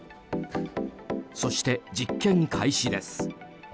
そして、実験開始です。